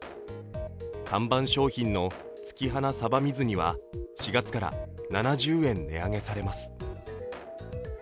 看板商品の月花さば水煮は４月から７０円値上げされます。